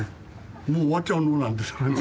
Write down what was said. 「もう終わっちゃうの？」なんて。